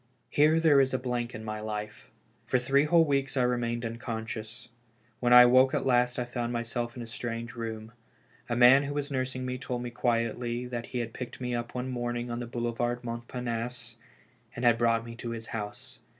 Here there is a blank in my life. For three whole weeks I remained unconscious. When I awoke at last I found myself in a strange room. A man who was nursing me told me quietly that he had picked me up one morning on the Boulevard Montparnasse, and had brought me to his house.